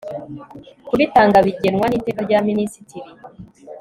kubitanga bigenwa n iteka rya minisitiri